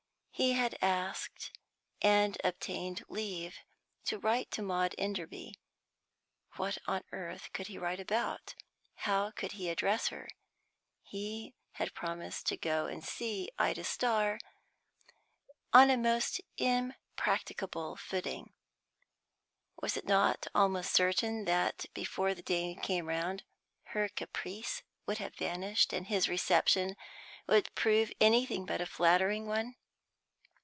He had asked and obtained leave to write to Maud Enderby; what on earth could he write about? How could he address her? He had promised to go and see Ida Starr, on a most impracticable footing. Was it not almost certain that, before the day came round, her caprice would have vanished, and his reception would prove anything but a flattering one?